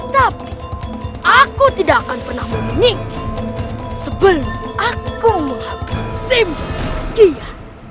tapi aku tidak akan pernah menyingkir sebelum aku menghabisimu sekian